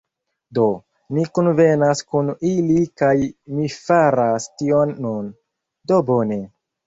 Do, ni kunvenas kun ili kaj mi faras tion nun. Do bone.